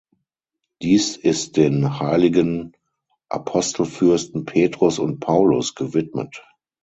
Diese ist den Heiligen Apostelfürsten Petrus und Paulus gewidmet.